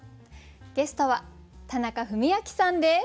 ゲストは田中史朗さんです。